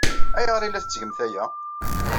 Ayɣer ay la tettgemt aya?